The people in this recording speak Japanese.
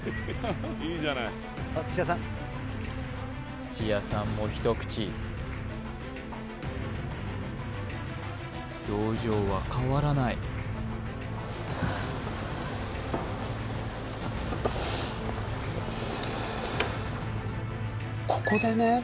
土屋さんも一口表情は変わらないここでね